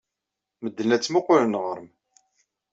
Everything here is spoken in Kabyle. Medden la ttmuqqulen ɣer-m.